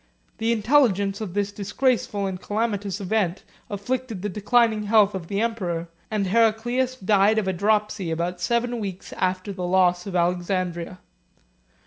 The intelligence of this disgraceful and calamitous event afflicted the declining health of the emperor; and Heraclius died of a dropsy about seven weeks after the loss of Alexandria.